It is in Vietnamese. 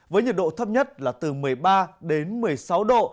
với nhiệt độ thấp nhất là từ một mươi ba đến một mươi sáu độ